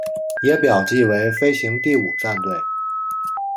也表记为飞行第五战队。